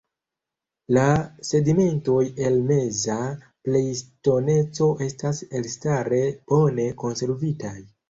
La sedimentoj el meza plejstoceno estas elstare bone konservitaj.